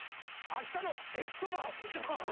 「あしたの駅そば！！」